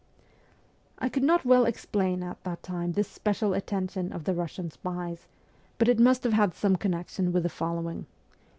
I could not well explain at that time this special attention of the Eussian spies ; but it must have had some connection with the following.